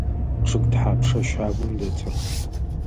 Чъыг тхьапша щагум дэтыр?